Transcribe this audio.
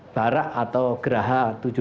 barak atau geraha tujuh belas